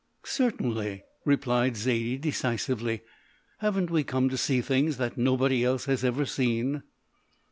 "Certainly!" replied Zaidie decisively; "haven't we come to see things that nobody else has ever seen?"